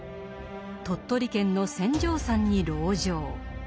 鳥取県の船上山に籠城。